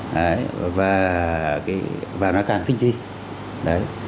đấy và nó càng tinh chi đấy